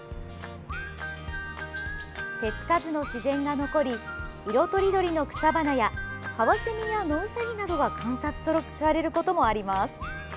手つかずの自然が残り色とりどりの草花やカワセミや野ウサギなどが観察されることもあります。